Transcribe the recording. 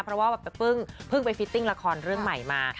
เพราะว่าเพิ่งไปฟิตติ้งละครเรื่องใหม่มา